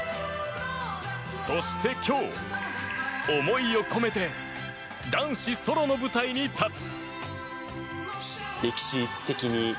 そして今日、思いを込めて男子ソロの舞台に立つ。